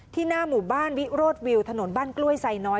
หน้าหมู่บ้านวิโรธวิวถนนบ้านกล้วยไซน้อย